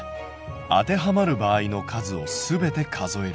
当てはまる場合の数をすべて数える。